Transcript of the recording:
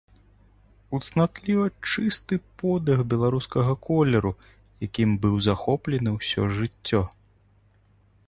У цнатліва чысты подых белага колеру, якім быў захоплены ўсё жыццё.